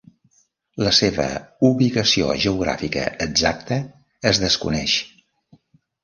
La seva ubicació geogràfica exacta es desconeix.